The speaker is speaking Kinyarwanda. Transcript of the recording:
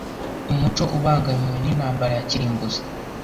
Umuco ubangamiwe nintambara ya kirimbuzi.